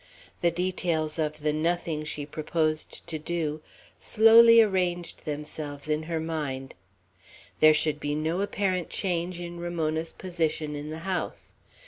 The details of the "nothing" she proposed to do, slowly arranged themselves in her mind. There should be no apparent change in Ramona's position in the house.